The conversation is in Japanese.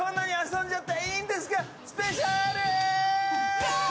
イエーイ！